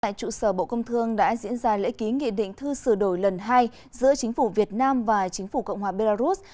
trụ sở bộ công thương đã diễn ra lễ ký nghị định thư sửa đổi lần hai giữa chính phủ việt nam và chính phủ cộng hòa belarus